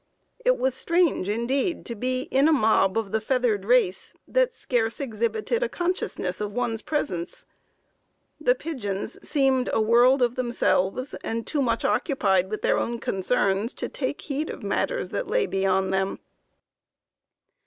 It was strange, indeed, to be in a mob of the feathered race, that scarce exhibited a consciousness of one's presence. The pigeons seemed a world of themselves, and too much occupied with their own concerns to take heed of matters that lay beyond them.